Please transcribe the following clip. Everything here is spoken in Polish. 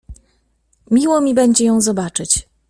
Miło mi będzie ją zobaczyć.